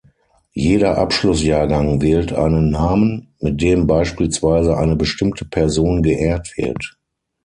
Jeder Abschlussjahrgang wählt einen Namen, mit dem beispielsweise eine bestimmte Person geehrt wird.